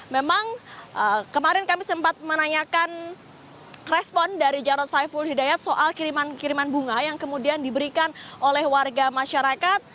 memang kemarin kami sempat menanyakan respon dari jarod saiful hidayat soal kiriman kiriman bunga yang kemudian diberikan oleh warga masyarakat